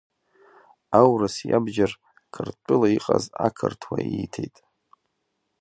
Аурыс иабџьар Қырҭтәыла иҟаз ақырҭуа ииҭеит.